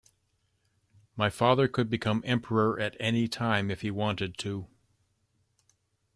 My father could become emperor at any time if he wanted to.